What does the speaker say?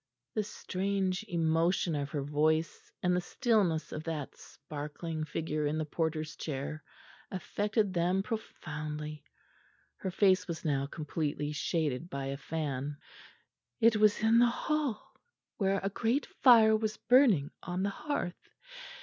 The strange emotion of her voice and the stillness of that sparkling figure in the porter's chair affected them profoundly. Her face was now completely shaded by a fan. "It was in the hall, where a great fire was burning on the hearth.